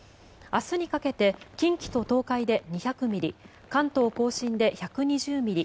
明日にかけて近畿と東海で２００ミリ関東・甲信で１２０ミリ